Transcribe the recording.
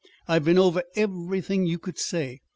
I've been over everything you could say.